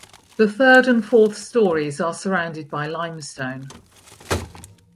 The third and fourth stories are surrounded by limestone.